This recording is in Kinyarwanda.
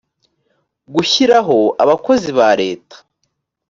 gushyiraho abakozi ba leta